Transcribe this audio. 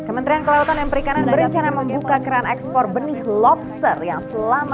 kementerian kelautan dan perikanan berencana membuka keran ekspor benih lobster yang selama